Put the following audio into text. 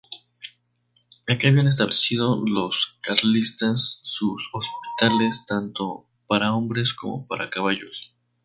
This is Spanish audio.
Aquí habían establecido los carlistas sus hospitales, tanto para hombres como para caballos.